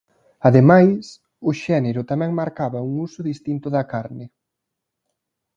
Ademais, o xénero tamén marcaba un uso distinto da carne.